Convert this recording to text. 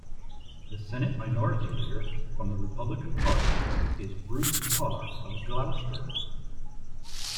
The Senate Minority Leader, from the Republican Party, is Bruce Tarr of Gloucester.